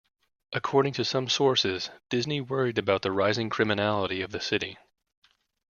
According to some sources, Disney worried about the rising criminality of the city.